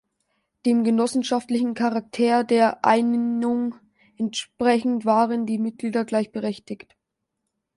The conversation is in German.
Dem genossenschaftlichen Charakter der Einung entsprechend waren die Mitglieder gleichberechtigt.